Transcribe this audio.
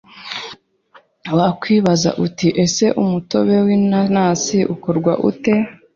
Wakwibaza uti ese umutobe w’inanasi ukorwa ute